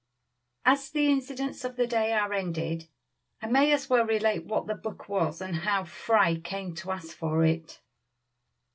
As the incidents of the day are ended, I may as well relate what this book was and how Fry came to ask for it.